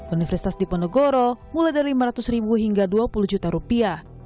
universitas diponegoro mulai dari lima ratus ribu hingga dua puluh juta rupiah